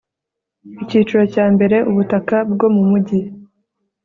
icyiciro cya mbere ubutaka bwo mu mujyi